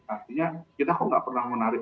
artinya kita kok nggak pernah menarik